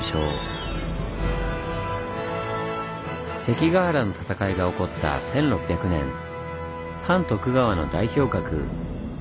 関ヶ原の戦いが起こった１６００年反徳川の代表格上杉軍と戦い